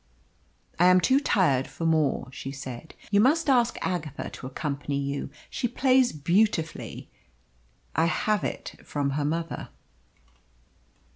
"I am too tired for more," she said. "You must ask Agatha to accompany you. She plays beautifully. I have it from her mother!"